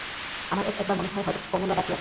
আমার এক-একবার মনে হয়, হয়তো কমলা বাঁচিয়া আছে।